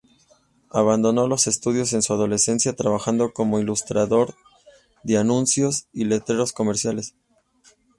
Abandonó los estudios en su adolescencia trabajando como ilustrador de anuncios y letreros comerciales.